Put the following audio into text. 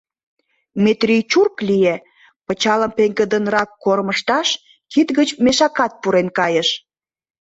Метрий чурк лие, пычалым пеҥгыдынрак кормыжташ, кид гыч мешакат пурен кайыш.